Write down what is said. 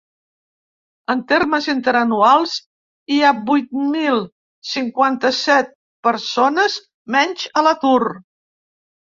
En termes interanuals, hi ha vuit mil cinquanta-set persones menys a l’atur.